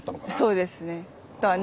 そうですね。